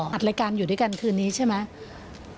อัดรายการอยู่ด้วยกันคืนนี้ใช่ไหม